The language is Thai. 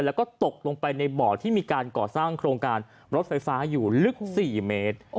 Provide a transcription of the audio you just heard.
แล้วก็ตกลงไปในบ่อที่มีการก่อสร้างโครงการรถไฟฟ้าอยู่ลึก๔เมตร